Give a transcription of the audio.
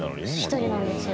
１人なんですよ。